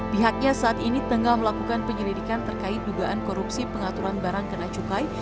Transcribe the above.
pihaknya saat ini tengah melakukan penyelidikan terkait dugaan korupsi pengaturan barang kena cukai